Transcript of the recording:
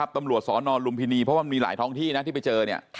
ตำรวจสนลุมพินีเพราะว่ามีหลายท้องที่นะที่ไปเจอเนี่ย